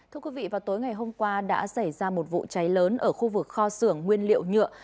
thưa quý vị vào tối ngày hôm qua đã xảy ra một vụ cháy lớn ở khu vực kho xưởng nguyên liệu nhựa